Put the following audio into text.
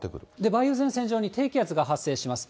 梅雨前線上に低気圧が発生します。